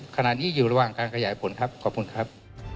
ขณะนี้อยู่ระหว่างการขยายผลครับขอบคุณครับ